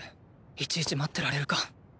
いちいち待ってられるか。